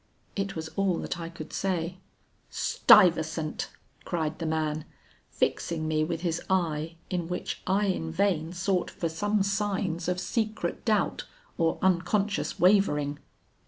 It was all that I could say. 'Stuyvesant,' cried the man, fixing me with his eye in which I in vain sought for some signs of secret doubt or unconscious wavering.